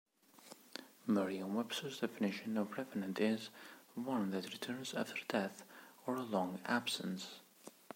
Merriam-Webster's definition of revenant is one that returns after death or a long absence.